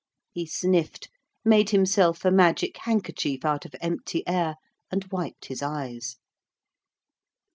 He sniffed, made himself a magic handkerchief out of empty air, and wiped his eyes.